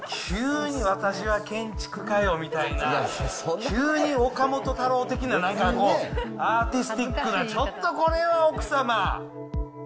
急に、私は建築家よみたいな、急に岡本太郎的ななんかこう、アーティスティックな、これはちょっと、これは奥様。